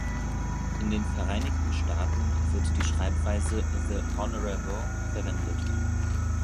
In den Vereinigten Staaten wird die Schreibweise "The Honorable" verwendet.